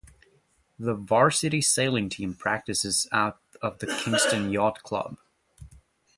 The Varsity Sailing Team practices out of the Kingston Yacht Club.